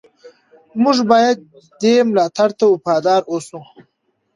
موږ باید دې ملاتړ ته وفادار اوسو.